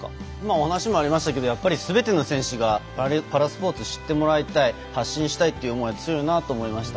お話にもありましたけどやっぱりすべての選手がパラスポーツを知ってもらいたい発信したいという思いが強いなと思いました。